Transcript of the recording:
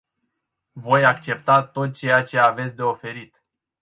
Voi accepta tot ceea ce aveți de oferit.